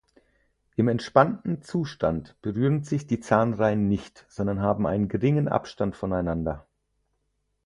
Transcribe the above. Im entspannten Zustand berühren sich die Zahnreihen nicht, sondern haben einen geringen Abstand voneinander.